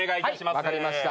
分かりました。